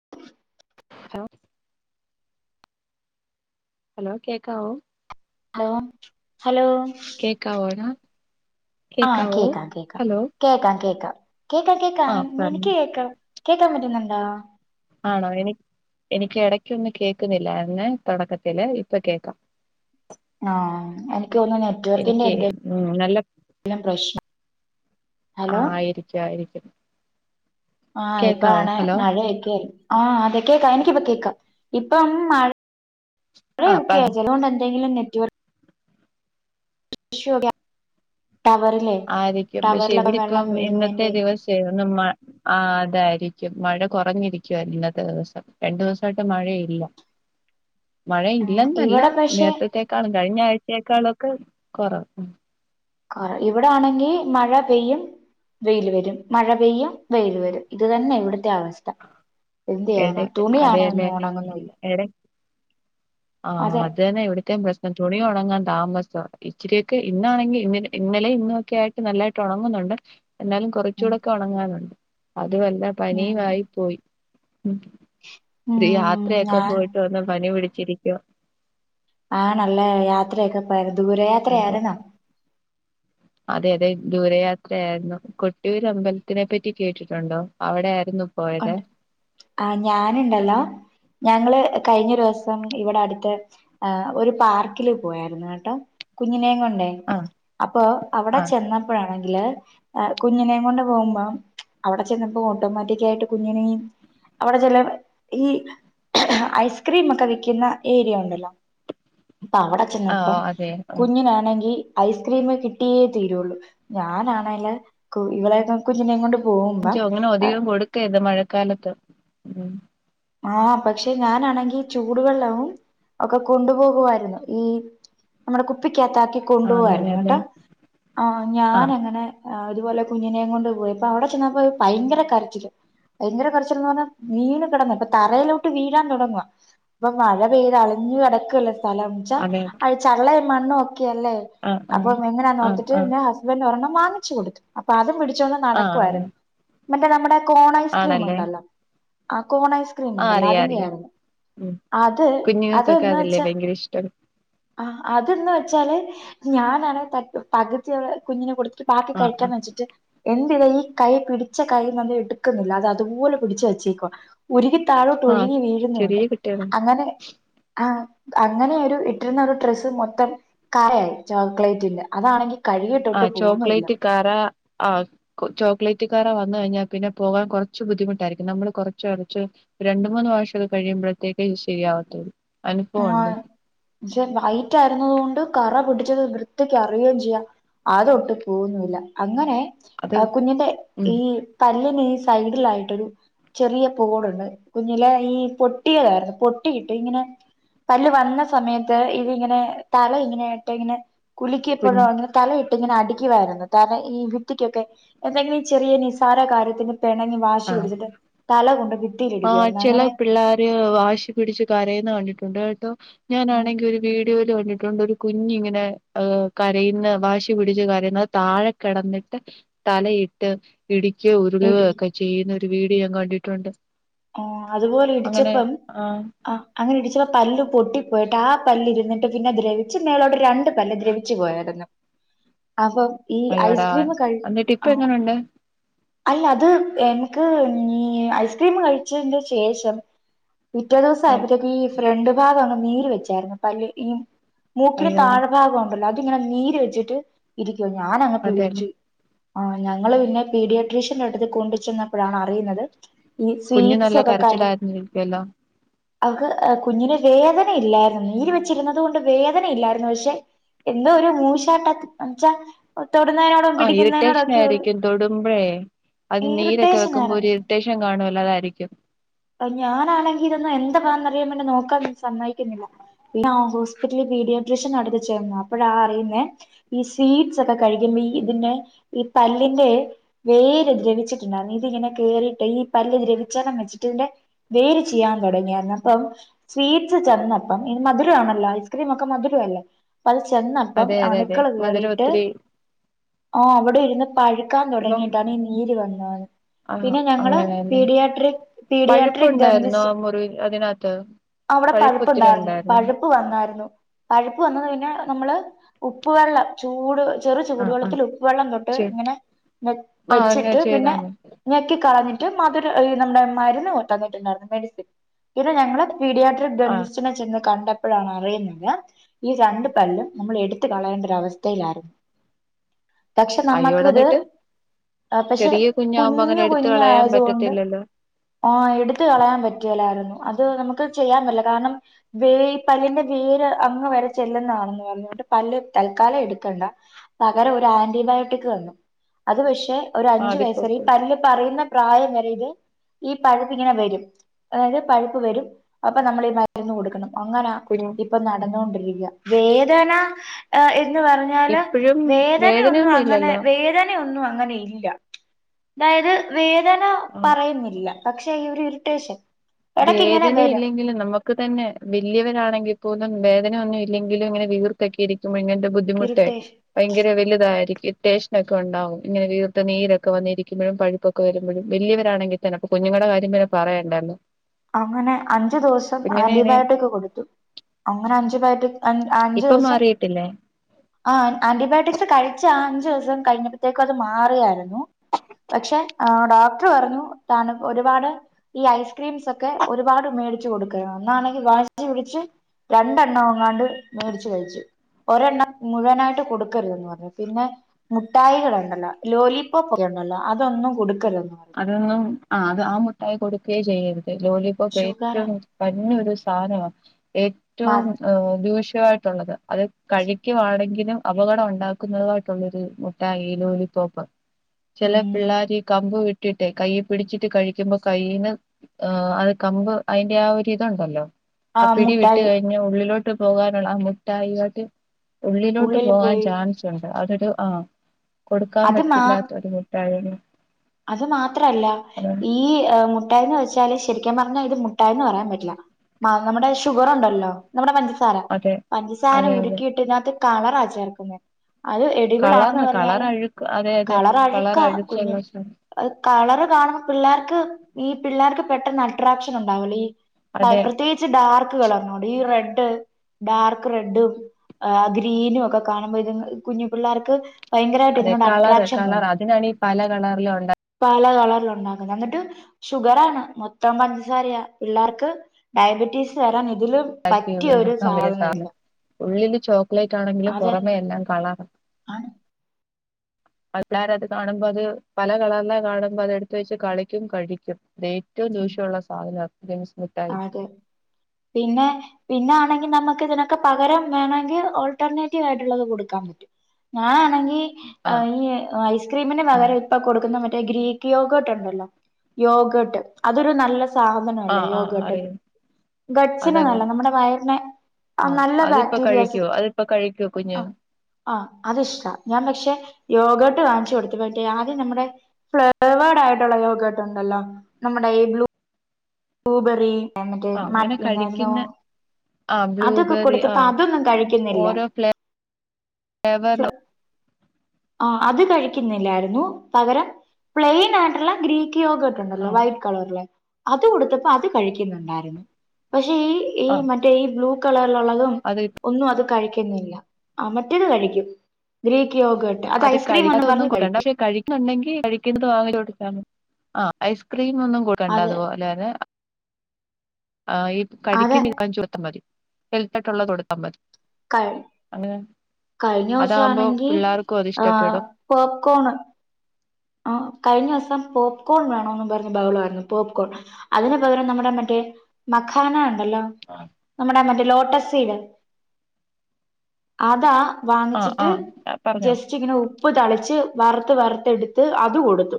[inaudible] Hello hello കേക്കാവോ hello hello ക്കാവോട ആഹ് കേക്കാവോ കേക്കാം കേക്കാം ഹലോ കേക്കാം കേക്കാം കേക്കാം കേക്കാം ആഹ് പറഞ്ഞോ എനിക്ക് കേക്കാം കേക്കാൻ പറ്റുന്നുണ്ടൊ ആണൊ എനി എനിക്ക് എടക്കൊന്ന് കേക്കുന്നില്ലായിർന്ന് തൊടക്കത്തില് ഇപ്പൊ കേക്കാം ആ എനിക്ക് തോന്നുന്നു നെറ്റ് വർക്കിന്റെ എനിക്ക് ഉം നല്ല എന്തേലും പ്രശ്നം ആ, ഹലൊ ആയിരിക്കും ആയിരിക്കും ആഹ് കേക്കാവോ ഇപ്പഴാണ് ഹലോ മഴയൊക്കെ ആഹ് അതെ കേക്കാം എനിക്കിപ്പം കേക്കാം ഇപ്പം മഴ ആഹ് പറ ഒക്കെയ ചെലോണ്ട് എന്തെങ്കിലും നെറ്റ് ഇഷ്യൂട ടവർ ആയിരിക്കും പഷെ ഇവിടിപ്പം ഇന്നത്തെ വീഴുന്നതിന്റെ ദിവസ്സെ ഇന്ന് മ ആഹ് അതായിരിക്കും മഴ കൊറഞ്ഞിരിക്കുവ ഇന്നത്തെ ദിവസം രണ്ടു ദിവസായിട്ട് മഴയില്ല [inaudible] മഴ ഉം ഇല്ലെന്നല്ല ഇവിടെ പക്ഷെ നേരത്തത്തെക്കാളും കഴിഞ്ഞ ആഴ്ചയെക്കാളൊക്ക കൊറവ് കൊറെ ഇവടാണെങ്കി മഴ പെയ്യും വെയില് വരും മഴ പെയ്യും വെയില് വരും ഇത് തന്നെ ഇവിട്ത്തെ അവസ്ഥ എന്തിയ്യാന ഇടയ്ക്ക് തുണിയാണെ അതെയല്ലെ ഒന്നും ഒണങ്ങുന്നുല്ല ഇട ആഹ് അത് എന്ന ഇവിട്ത്തേം പ്രശ് തുണി ഒണങ്ങാൻ താമസ ഇച്ചിരിയൊക്കെ ഇന്നാണെങ്കിൽ ഇ ഇന്നലെ ഇന്നൊക്കെ ആയിട്ട് നല്ലായിട്ട് ഉണങ്ങുന്നുണ്ട് എന്നാലും ഉം കുറച്ചൂടൊക്കെ ഒണങ്ങാനുണ്ട് അതുമല്ല ഉം പനിയും ആയി പോയി ഉം ഒരു യാത്രയൊക്കെ ഞാൻ പോയിട്ട് വന്ന് പനി പിടിച്ചിരിക്കുവാ ആണല്ലേ യാത്രയൊക്കെ പോയത് ദൂരയാത്ര അതെ ആയിരുന്നോ അതെ അതെ ദൂരയാത്രയായിരുന്നു കൊട്ടൂരമ്പലത്തിനെ പറ്റി കേട്ടിട്ടുണ്ടോ അവിടെ ആയിരുന്നു ഉണ്ട് ആഹ് ഞാനുണ്ടല്ലോ ഞങ്ങള് കഴിഞ്ഞ ദിവസം ഇവിടെ അടുത്ത് ഏഹ് ഒരു പാർക്കില് പോയായിരുന്നു കേട്ടോ കുഞ്ഞിനെയും കൊണ്ടേ ആഹ് അപ്പൊ അവിടെ ആഹ് ചെന്ന പ്പഴാണെങ്കില് കുഞ്ഞിനെ കൊണ്ട് പോകുമ്പോ അവിടെ ചെന്നപ്പോ ഓട്ടോമാറ്റിക്കായിട്ട് കുഞ്ഞിനെ അവിടെ ചില ഈ ഐസ്ക്രീം ഒക്കെ വിക്കുന്ന ഏരിയ ഉണ്ടല്ലോ അപ്പ അവിടെ ചെന്നപ്പം ആഹ് അതെ കുഞ്ഞിനാണെങ്കി ഐസ്ക്രീമ് കിട്ടിയേ തീരുള്ളൂ ഞാനാണല് ഇവളെ കുഞ്ഞിന കൊണ്ട് പോകുമ്പം യോ അങ്ങനെ അധികം കൊടുക്കരുത് മഴക്കാലത്ത് ഉം ആഹ് പക്ഷെ ഞാനാണെങ്കി ചൂടുവെള്ളവും ഒക്കെ കൊണ്ടുപോകുവായിരുന്നു ഈ നമ്മടെ കുപ്പിക്കകത്താക്കി ആഹ് കൊണ്ടുപോവായിരുന്നു അങ്ങനെയല്ലേ കേട്ടാ ആഹ് ആഹ് ഞാനങ്ങനെ ആഹ് ഇതുപോലെ കുഞ്ഞിനെയും കൊണ്ട് പോയി അപ്പൊ അവിടെ ചെന്നപ്പോ ഭയങ്കര കരച്ചില് ഭയങ്കര കരച്ചില്ന്ന് പറഞ്ഞാ വീണ് കടന്നട്ട് തറയിലോട്ട് വീഴാൻ തുടങ്ങ അപ്പൊ മഴ പെയ്ത് അളിഞ്ഞു കിടക്കുവല്ലെ സ്ഥലം ന്ന് അതെ വെച്ചാ ചള്ളയും മണ്ണും ഒക്കെല്ലേ ആഹ് ആഹ് അപ്പം എങ്ങനാ ആഹ് നോർത്തിട്ട് ആഹ് ഞാൻ ഹസ് ൻ്റ് ഒരെണ്ണം വാങ്ങിച്ചു കൊടുത്തു അപ്പൊ അതും പിടിച്ചൊണ്ട് ആഹ് നടക്കുായിരുന്നു മറ്റേ നമ്മുടെ കോൺ ഐസ്ക്രീം ആണല്ലേ ഉണ്ടല്ലോ ആഹ് കോൺ ഐസ് ആ ക്രീമുണ്ടല്ലോ അറിയാം അതിന്റെ അറിയാം ആയിരുന്നു ഉം അത് അത് കുഞ്ഞുങ്ങൾക്കൊക്കെ ന്ന് അതല്ലേ വെച്ചാ ഭയങ്കര ഇഷ്ടം ആഹ് അത് ന്ന് വെച്ചാല് ഞാനാണ് പകുതി കുഞ്ഞിനെ കൊടുത്ത് ബാക്കി ആ ആ കഴിക്കാന്ന് വെച്ചിട്ട് എൻ്റെ ഈ കൈ പിടിച്ച കൈ നത് എടുക്കുന്നില്ല അത് അതുപോലെ പിടിച്ച് വെച്ചേക്കുവ ഉരുകി ഒഴുകി താഴോട്ട് ആ ഒഴുകി ചെറിയ വീഴുന്നുണ്ട് കുട്ടികളാ അങ്ങനെ ആഹ് അങ്ങനെ ഒരു ഇട്ടിരുന്ന ഒരു ഡ്രസ്സ് മൊത്തം കറയായി ചോക്ലേറ്റിന്റെ അതാണെങ്കിൽ ആഹ് ചോക്ലേറ്റ് കറ ആഹ് ചോക്ലേറ്റ് കറ വന്ന് കഴിഞ്ഞാ പിന്നെ പോകാൻ കുറച്ച് ബുദ്ധിമുട്ടായിരിക്കും നമ്മള് കുറച്ച് ഒരച്ച് ഒര രണ്ട് മൂന്ന് പ്രാവശ്യംഇത് കഴിയുമ്പോഴത്തേക്കെ ഇത് ശരിയാവാത്തൊള്ളൂ ആഹ് പക്ഷേ വൈറ്റ് ആയിരുന്നത് കൊണ്ട് കറ പിടിച്ചത് വൃത്തിക്ക് അറിയുകയും ചെയ്യാം അതൊട്ട് പോകുന്നുല്ല അങ്ങനെ അത് കുഞ്ഞിന്റെ ഉം ഈ പല്ലിന് ഈ സൈഡിലായിട്ടൊരു ചെറിയ പോടുണ്ട് കുഞ്ഞിലെ ഈ പൊട്ടിയതായിരുന്നു പൊട്ടിയിട്ട് ഇങ്ങനെ പല്ല് വന്ന സമയത്ത് ഇതിങ്ങനെ തല ഇങ്ങനെ യിട്ട് ഇങ്ങനെ കുഞ്ഞ് കുലുിക്കിയപ്പോഴോ [unintelligible] തലയിട്ട് ങ്ങനെ അടിക്കുവായിരുന്നു തല ഈ ഭിത്തിക്കൊക്കെ എന്തെങ്കിലും ചെറിയ നിസാര കാര്യത്തിന് പെണങ്ങി വാശി ആ പിടിച്ചിട്ട് തല കൊണ്ട് ബിത്തിയിലിടി ആ ക്കായിരുന്നു ചില അങ്ങനെ പിള്ളേര് വാശി പിടിച്ച് കരയുന്നെ കണ്ടിട്ടുണ്ട് കേട്ടോ ഉം ഞാനാണെങ്കിൽ ഒര് വീ ഡിയോല് കണ്ടിട്ട്ണ്ട് ഒരു കുഞ്ഞിങ്ങനെ ഏഹ് കരയുന്നെ വാശി പിടിച്ച് കരയുന്നെ അത് താഴെ കടന്നിട്ട് തലയിട്ട് ഇടികിയാ ഉരുളുക ഇടിക്കും ഒക്കെ ചെയ്യുന്ന ഒരു വിഡിയോ ഞാൻ കണ്ടിട്ടുണ്ട് ആഹ് അതുപോലെ അങ്ങനെ ഇടിച്ചപ്പം ആ ആഹ് അങ്ങനെ ഇടിച്ചപ്പോ പല്ല് പൊട്ടി പ്പോയിട്ട് ആഹ് പല്ല് ഇരുന്നിട്ട് പിന്നെ ദ്രവിച്ച് മേലോട്ട് രണ്ട് പല്ല് ദ്രവിച്ചു പോയരുന്നു അപ്പൊ ഈ അയ്യോടാ ഐസ്ക്രീം കഴി എന്നിട്ട് ഇപ്പ ആഹ് എങ്ങനുണ്ട് അല്ല അത് എൻക്ക് ഈ ഐസ്ക്രീം കഴി ച്ചന്റെ ശേഷം പിറ്റേ ദൂസം ആയപ്പത്തെക്കും ഈ ഫ്രണ്ട് ഭാഗം അങ്ങ് നീര് വെച്ചായിരുന്നു പല്ല് ഈ മൂക്കിന് അയ്യോടാ താഴെ ഭാഗം ഉണ്ടല്ലോ അത് ങ്ങനാ നീര് വെച്ചിട്ട് ഇരിക്കുവാ ഞാൻ അങ്ങ് അതെല്ലേ പേടിച്ച് ആഹ് ഞങ്ങള് പിന്നെ പീഡിയട്രീഷ്യന്റെ അടുത്ത് കൊണ്ട് ചെന്നപ്പഴാണ് അറിയുന്നത് ഈ കുഞ്ഞു സ്വീറ്റ്സ് നല്ല ഒക്കെ കഴി കരച്ചിലായിന്നി ഇരിക്കല്ലോ അവക്ക് കുഞ്ഞിന് വേദനയില്ലായിരുന്നു നീര് വെച്ചിരുന്നത് കൊണ്ട് വേദനയില്ലായിരുന്നു പക്ഷെ എന്തോ ഒരു മൂശാട്ടക് ന്ന്ച്ചാ ഒഹ് ത്തോട്നേനോട്‌ ആഹ് ഇരിട്ടെഷൻ ആയിരിക്കും തൊടുമ്പോഴേ അത് നീരൊക്കെ ഇറിറ്റേഷൻ വെക്കുമ്പോ ആയിരുന്നു ഒര് ഇരുട്ടേഷൻ കാണുല്ലോ അതായിരിക്കും അത് ഞാനാണെങ്കി ഇരുന്ന് എന്തബാ അറിയാൻ മുന്ന നോക്കാൻ സമ്മയിക്കുന്നില്ല പിന്നെ ഹോസ്പിറ്റലിൽ പീഡിയോട്രിഷ്യൻ അടുത്ത് ചേന്നു അപ്പോഴാ അറിയുന്നേ ഈ സീഡ്സ് ഒക്കെ കഴിക്കുമ്പോ ഈ ഇതിന്റെ ഈ പല്ല്ന്റെ വേര് ത്രവിച്ചിട്ട്ണ്ടാർന്നു ഇതി ഇങ്ങനെ കേറിയിട്ടെ ഈ പല്ല് രവിച്ചാതാ ച്ചി ട്ട് ന്റെ വേര് ചീയാൻ തോടങ്ങിയാരുന്നു അപ്പം സ്വീറ്റ്സ് ചെന്നപ്പം ഇത് മധുരാണല്ലോ ഐസ്ക്രീം ഒക്കെ മധുരല്ലേ അത് ചെന്നപ്പം അതെ അതെ അതെ അണുക്കൾ മധുരം കേറിയിട്ട് ഒത്തിരി ആഹ് അവിടെ ഇരുന് പഴുക്കാൻ ഇപ്പം തുടങ്ങിയിട്ടാണ് ഈ നീര് വന്നത് ആഹ് പിന്നെ ഞങ്ങള് അങ്ങനെയല്ലേ പീഡിയാട്രിക് ടിയട്രിക് ദന്ത പഴുപ്പുണ്ടായിരുന്നോ ആ മുറി അതിനകത്ത് അവിടെ പഴുപ്പ് ഒത്തിരി പഴുപ്പുണ്ടായിരുന്നു ഉണ്ടായിരുന്നോ പഴു പ്പ് വന്നായിരുന്നു പഴുപ്പ് വന്നത് പിന്നെ നമ്മള് ഉപ്പ് വെള്ളം ചൂട് ചെറു ചൂട് ആഹ് ആഹ് വെള്ളത്തിൽ ഉപ്പ് വെള്ളം തൊട്ട് ചെ ഇങ്ങനെ ആഹ് അങ്ങനെ വെച്ചിട്ട് ചെയ്താ പിന്നെ മതി ഞക്കി കളഞ്ഞിട്ട് മതുരം നമ്മുടെ മരു വിട്ടുതന്നിട്ടുണ്ടായിരുന്നു മെഡിസിൻ പിന്നെ ഞങ്ങള് പീഡിയട്രിക് ആഹ് ദന്നിസ്സ്റ്റ് നെ ചെന്ന് കണ്ട അപ്പോഴാണ് അറിയുന്നത് ഈ രണ്ട് പല്ലും നമ്മൾ എടുത്ത് കളയേണ്ടൊരു അവസ്ഥയിലായിരുന്നു പക്ഷെ നമ്മക്ക് അയ്യോടാ ഇത് എന്നിട്ട് ആഹ് പക്ഷെ ചെറിയ കുഞ്ഞാവുമ്പോ അങ്ങനെ കുഞ്ഞു എടുത്ത് കുഞ്ഞാ കളയാൻ ആയതുകൊണ്ട് പറ്റത്തില്ലല്ലോ ആഹ് എടുത്ത് കളയാൻ പറ്റെ ലായിരുന്നു അത് നമുക്ക് ചെയ്യാൻ പറ്റില്ല കാരണം വേ പല്ലിൻ ന്റെ വേര് അങ്ങ് വരെ ചെല്ലുന്നാണെന്ന് പറഞ്ഞോണ്ട് പല്ല് തൽക്കാലം എടുക്കണ്ട പകരം ഒരു ആന്റിബയോട്ടിക് തന്നു അത് പക്ഷെ ഒരു ആഹ് അഞ്ചു അതിപ്പോ വയസ്സ് വരെ ഈ പല്ല് പറയുന്ന പ്രായം വരെ ഇത് ഈ പഴുപ്പ് ഇങ്ങനെ വരും അതായത് പഴുപ്പ് വരും അപ്പൊ നമ്മൾ ഈ മരുന്ന് കൊടുക്കണം അങ്ങനാ കുഞ്ഞ് ഇപ്പൊ നടന്നോണ്ടിരിക്ക വേദന ഏഹ് എന്ന് പറ റഞാല് ഇപ്പഴും വേദനൊന്നും വേദനയൊന്നും അങ്ങനെ ഇല്ലല്ലോ വേദന അങ്ങനോന്നും ഇല്ല അതായത് വേദന ആഹ് പറയുന്നില്ല പക്ഷെ ഈ ഒരു ഇറിട്ടേഷൻ വേദനെ ഇല്ലെങ്കിലും നമ്മ ഇപ്പൊ തന്നെ വല്ലിയവരാണെങ്കിൽ പോലും വേദന ഒന്നും ഇല്ലെങ്കിലും ഇങ്ങനെ വീർതോക്കെ ഇരിക്കും അങ്ങനത്തെ ബുദ്ധി ബുദ്ധിമുട്ട് ഇറിറ്റേഷൻ ഭയങ്കര വലുതായിരിക്കും ഇരുട്ടെഷനൊക്കെ ഉണ്ടാവും ഇങ്ങനെ വീർത്ത് നീരൊക്കെ വന്നിരിക്കുമ്പോഴും പഴുപ്പ് ഒക്കെ വരുമ്പഴും വലിയവരാണെങ്കിൽ തന്നെപ്പൊ കുഞ്ഞുങ്ങള കാര്യം പിന്നെ പറയണ്ടായിന്ന് അങ്ങനെ അഞ്ചു ദിവസം കുഞ്ഞിനെനെ ആന്റിബയോട്ടിക് കൊടുത്തു അങ്ങനെ അഞ്ചു ബയോട്ടിക് അഹ് അഞ്ചു ഇപ്പൊ ദിവസം മാറിയിട്ടില്ലേ ആഹ് ആന്റിബയോട്ടിക്സ് കഴിച്ച അഞ്ചു ദിവസം കഴിഞ്ഞപ്പോഴത്തേക്കും അത് മാറിയായിരുന്നു പക്ഷെ ഡോക്ടർ പറഞ്ഞു തണ ഒരുപാട് ഈ ഐസ്ക്രീംസ് ഒക്കെ ഒരുപാട് മേടിച്ച്ച കൊടുക്ക അന്നാണെങ്കിൽ വാഷി പിടിച്ച് രണ്ടെണ്ണം ഒങ്ങാണ്ട് മേടച്ച് കഴിച്ചു ഒരെണ്ണം മുഴുവനായിട്ട് കൊടുക്കരുതന്ന് പറഞ്ഞു പിന്നെ മുട്ടായികൾണ്ടല്ലോ ലോലിപപ്പ് ഉണ്ടല്ലോ അതൊന്നും കൊടുക്കരുത് പറഞ്ഞു അതൊന്നും ആഹ് അത് ആഹ് മുട്ടായി കൊടുയേ ചെയ്യരുത് ലോലി ഷുഗറാ ഏറ്റവും കഞ്ഞൊ ഒരു സാധന ഏറ്റവും ദോശമായിട്ട് ള്ളത് അത് കഴിക്കുവാണെങ്കിലും അപകടം ഉണ്ടാക്കുന്നതുയിട്ടുള്ളൊരു മുട്ട ഇ ലോലിപോപ്പ് ചില ഉം പിള്ളേർ ഈ കമ്പ് വിട്ടിട്ടെ കൈ പിടിച്ചിട്ട് കഴിക്കുമ്പോ കൈയിന്ന് ആഹ് അത് കമ്പ് അതിന്റെ ആ ഒരുരിതു ഉണ്ടല്ലോ ആ പിടി വിട്ട് കഴിഞ് ഉള്ളിലോട്ട് പോകാനുള്ള ആ മുട്ടായിട്ട് ഉള്ളിലോട്ട് ഉള്ളിൽ പോകാൻ പോയി ചാൻസുണ്ട് അതൊരു ആഹ് കൊടുക്കാൻ അത് മാ പറ്റില്ലാത്ത ഒരു [unintelligible] അത് മാത്രല്ല അത് ഈ മുട്ടായിന്ന് വെച്ച ല് ശരിക്കും പറഞ്ഞാൽ ഇത് മുട്ടായന്ന് പറയാൻ പറ്റില്ല നമ്മുടെ ഷുഗർണ്ടല്ലോ നമ്മുടെ പഞ്ചസാര അതെ പഞ്ചസാര അതെ അതെ ഉരുക്കിയിട്ടതിനകത്ത് കളറാ ചേർക്കുന്നത് അത് കളറാ അടിവിളാണെന്ന് കളർ പറഞ്ഞാലും അഴുക്ക് അതെ അതെ കളർ അഴുക്കാ കുഞ്ഞു അഴുക്കുള്ള സാ- കളറ് കാണുമ്പോ പിള്ളേർക്ക് ഈ പിള്ളേർക്ക് പെട്ടെന്ന് അട്രാക്ഷൻ ഉണ്ടാവല്ലോ ഈ അതെ പ്രത്യേകിച്ച് ഡാർക്ക് കളർന്നോട് ഈ റെഡ് ഡാർക്ക് റെഡും ആഹ് ഗ്രീനും ഒക്കെ കാണുമ്പോ ഇത് കുഞ്ഞു പിള്ളേർക്ക് ഭയങ്കരമായിട്ട് അതെ ഇതിനോട് കളറ് അട്രാക്ഷൻ കളർ തോന്നും അതിനാണ് ഈ പല കളറിലും ഉണ്ട് പല കളറില ഉണ്ടാക്കുന്നു എന്നിട്ട് ഷുഗർ ആണ് മൊത്തം പഞ്ചസാരയ പിള്ളേർക്ക് ഡയബറ്റീസ് തരാൻ ഇതില ക്കി ഉണ്ടാക്കാൻ വലിയ സാധനം ഉള്ളില് ചോക്ലേറ്റ് ആണെങ്കിലും പുറമെ എല്ലാം കളർ ആഹ് പിള്ളാര അത് കാണുമ്പോ അത് പല കളറില കാണുമ്പോ അത എടുത്ത് വെച്ച് കളിക്കും കഴിക്കും അത് ഏറ്റവും ഉം ദൂഷ്യമുള്ള സാധനം അതെ പിന്നെ പിന്നെ ആണെങ്കിൽ നമുക്ക് ഇതിനൊക്കെ പകരം വേണമെങ്കിൽ ഓൾട്ടർനേറ്റീവ് ആയിട്ടുള്ളത് കൊടുക്കാൻ പറ്റും ഞാനാണെങ്കി ആഹ് ഈ ഐ ക്രീമിന് വക ആഹ് ഇപ്പൊ കൊടുക്കുന്ന മറ്റേ ഗ്രീക്ക് യോഗോട്ട്ണ്ടല്ലോ യോഗട്ട് അതൊരു നല്ല സാധനല്ല യ ഉം ഗഡ്സിനെ നല്ല നമ്മുടെ വയറിനെ ആഹ് നല്ല അതിപ്പോ ബാക്ടീരിയസ് കഴിക്കുവോ അതിപ്പോ കഴിക്കുവോ കുഞ്ഞ് ആഹ് ആഈ അത് ഇഷ്ടാ ഞാൻ പക്ഷെ യോഗോട്ട് കാാങ്ങിച്ചു കൊടുത്ത പോട്ടേ ആദ്യം നമ്മുടെ ഫ്ലേവേഡ് ആയിട്ടുള്ള യക്കായിട്ടുണ്ടല്ലോ നമ്മുടെ ഈ ബ്ലൂ പൂബെറി എന്നറ്റേ ആഹ് മട്ട അങ്ങനെ എന്നന്തായിന്നോ കഴിക്കുന്ന ആഹ് അതൊക്കെ ബ്ലൂബെറി കൊടുത്തപ്പോ ആഹ് അതൊന്നും കഴിക്കുന്നില്ല എവർ ആഹ് അത് കഴിക്കുന്നില്ലായിരുന്നു പകരം പ്ലെയിൻ ആയിട്ടുള്ള ഗ്രീക്ക് യോഗ ആട്ടുണ്ടല്ലോ ആഹ് വൈറ്റ് അത് കൊടുത്തപ്പോ അത് കഴിക്കുന്നുണ്ടായിരുന്നു പക്ഷെ ഈ ആഹ് മ ഡെയയ് ബ്ലൂ കളർൽ അള്ളതും അത് ഒന്നും അത് കഴിക്കുന്നില്ല മറ്റേത് കഴിക്കും ഗ്രീക്ക് യോഗേട്ട് അത് ഐസ്ക്രീം ഒന്നും പറഞ്ഞ് കഴിക്കും ക ഐസ്ക്രീം ഒന്നും കൂ അത് അപോലെെ ആഹ് ഈ അത് കഴുകി നിൽക്കാൻ ചോത്താൽ മതി ഹെൽത്തായിട്ടുള്ളത് കൊടുത്താൽ മതി കി അങ്ങനെ കഴിഞ്ഞ ദിവസ അതാകുമ്പോ ആണെങ്കിൽ പിള്ളേർക്കും അത് ആഹ് ഇഷ്ടപ്പെടും പോപ്കോണ് ആഹ് കഴിഞ്ഞോസം പോപ്കോൺ വേണോന്ന് പറഞ്ഞ് ബഹളമായിരുന്നു പോപ്കോൺ അതിന് പകരം നമ്മുടെ മറ്റേ മഖാന ണ്ടല്ലോ ആഹാ നമ്മുടെ മറ്റേ ലോട്ടസീഡ് അതാ ആഹ് വാങ്ങിച്ചിട്ട് ആഹ് പറഞ്ഞോ ജസ്റ്റ് ഇങ്ങനെ ഉപ്പ് തളിച്ച് വറുത്ത് വറുത്ത് എടു ത്ത് അത് കൊടുത്തു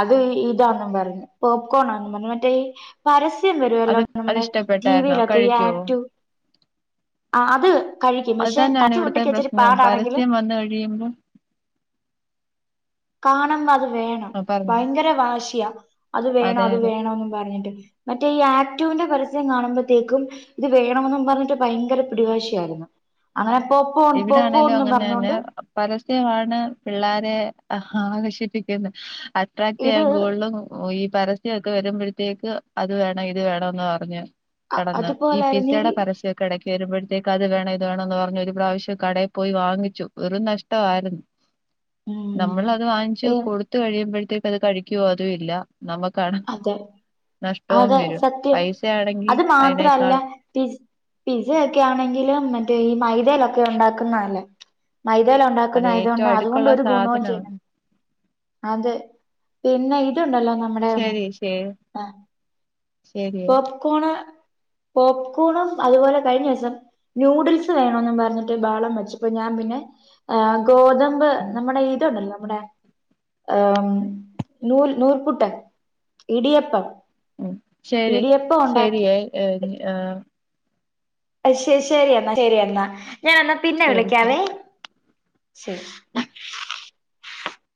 അത് ഇതാണെന്നും പറഞ്ഞ് പോപ്കോണാന്നും പറഞ്ഞ് മറ്റേ ഈ പരസ്യം വരുമല്ലോ അത് നമ്മുടെ ടി അതിഷ്ടപ്പെട്ടായിരുന്നോ വിയിലൊക്കെ ഈ കഴിക്കോ ആക്റ്റീവ് ആഹ് അത് കഴിക്കും അത് പക്ഷെ തന്നെയാണ് കച്ചു ഇവിടുത്തെ കുട്ടിയ്ക്ക്ച്ചിരി പ്രശ്നം പാടാണെങ്കും പരസ്യം വന്ന് കഴിയുമ്പോ കാണ്പോ അത് വേണം ആഹ് പറഞ്ഞോ ഭയങ്കര വാശിയാ അത് വേണം അതെ അത് അതെ വേണംന്ന് പറഞ്ഞിട്ട് മറ്റേ ഈ ആക്ടീവിന്റെ പരസ്യം കാണുമ്പോത്തേക്കും ഇത് വേണംന്നും പറഞ്ഞിട്ട് ഭയങ്കര പിടിവാശിയായിരുന്നു അങ്ങനെപ്പോ പോൺ പോ ഇവിടാണേലും പോന്ന് അങ്ങനെ തന്നെ പറഞ്ഞോണ്ട് പരസ്യമാണ് പിള്ളേരെ ആകർഷിപ്പിക്കുന്നത് അട്രാക്ട് ഇത് ചെയ്യാൻ ഗോളും ഓഹ് ഈ പരസ്യൊക്കെ വരുംമ്പഴത്തേക്ക് അത് വേണം ഇത് വേണംന്ന് പർഞ്ഞ് കെടന്ന്. ഈ പിസ്സേടെ പരസ്യൊക്കെ എടയ്ക്ക് വരുംമ്പഴത്തേക്ക് അത് വേണം ഇത് വേണംന്ന് പർഞ്ഞ് ഒരു പ്രാവശ്യ ശ്യം കടേപോയി വാങ്ങിച്ചു. വെറും നഷ്ടവായിര്ന്ന്. ഉം നമ്മളത് വാങ്ങിച്ച് ഈ കൊട് ത്ത് കഴിയുമ്പഴത്തേക്ക് അത് കഴിക്കോ അതും ഇല്ല. നമക്കാണ് അതെ നഷ്ടോം അതെ വരും. സത്യം പൈസയാണെങ്കി അതിനേക്കാളും. പിസ് പിസ്സ യൊക്കെയാണെങ്കില് മറ്റേ ഈ മൈദേലൊക്കെ ഉണ്ടാക്കുന്നാല്ലേ. അത് മൈദേലൊണ്ടാക്കുന്നായത് കൊണ്ട് ഏറ്റവും അതുകൊണ്ട് അടുക്കുള്ള ഒരു ഗുണവും സാധനമാണ് ചെയ്യ് അത് പിന്നെ ഇതുണ്ടല്ലോ നമ്മടെ ശരി ശേ ഹാ ശരിയേ പോപ്കോണ് പോപ്കോണും അത്പോലെ കഴിഞ്ഞോസം ന്യൂഡിൽസ് വേണോംന്ന് പർഞ്ഞിട്ട് ബഹളം വെച്ച്. പ്പം ഞാൻ പിന്നെ ആഹ് ഗോതമ്പ് ഉം നമ്മടെ ഇത്ണ്ടല്ലോ നമ്മടെ ആഹ് മ് നൂൽ നൂൽപുട്ടാ ഇടിയപ്പം. ഉം ശരി ഇടിയപ്പഒണ്ടാക്കി. ശരിയേ ഏഹ് ആഹ് ശെ ശെരി എന്നാ ശെരി എന്നാ ഞാ എന്നാ പിന്നെ ശരി ശരി വിളിക്കാവേ ശരി.